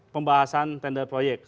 pembahasan tender proyek